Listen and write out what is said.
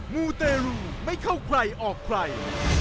มูเตรูไม่เข้าใครออกใคร